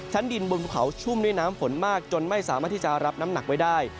ดินบนภูเขาชุ่มด้วยน้ำฝนมากจนไม่สามารถที่จะรับน้ำหนักไว้ได้